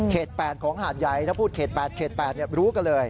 ๘ของหาดใหญ่ถ้าพูดเขต๘เขต๘รู้กันเลย